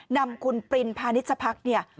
นำคุณปรินพนิจพักษ์